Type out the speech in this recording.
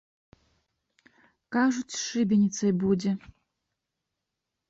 Кажуць, з шыбеніцай будзе.